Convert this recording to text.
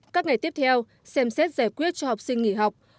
các ngày tiếp theo xem xét giải quyết cho học sinh nghỉ học